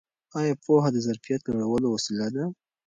ایا پوهه د ظرفیت لوړولو وسیله ده؟